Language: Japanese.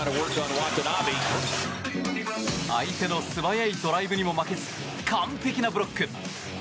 相手の素早いドライブにも負けず完璧なブロック。